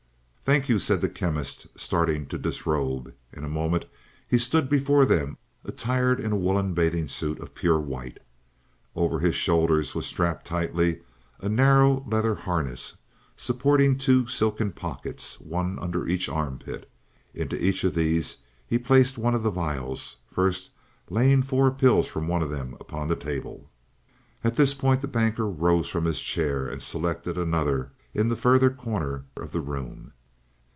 "Thank you," said the Chemist, starting to disrobe. In a moment he stood before them attired in a woolen bathing suit of pure white. Over his shoulders was strapped tightly a narrow leather harness, supporting two silken pockets, one under each armpit. Into each of these he placed one of the vials, first laying four pills from one of them upon the table. At this point the Banker rose from his chair and selected another in the further corner of the room.